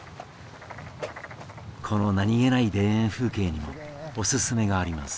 この何気ない田園風景にもおすすめがあります。